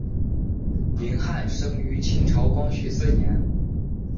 林翰生于清朝光绪四年。